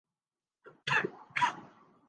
تو ہماری جماعت کو اس پر کوئی اعتراض نہیں ہو گا۔